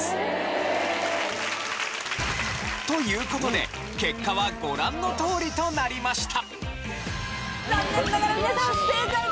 という事で結果はご覧のとおりとなりました。